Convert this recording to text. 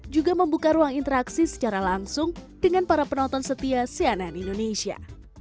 juga membuka ruang interaksi secara langsung dengan para penonton setia cnn indonesia